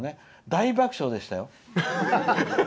大爆笑でしたよ。